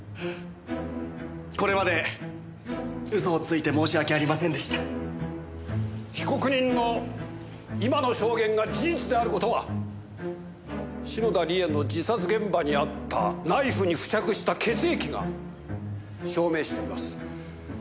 これまで嘘をついて申し訳ありませんでした。被告人の今の証言が事実である事は篠田理恵の自殺現場にあったナイフに付着した血液が証明しています。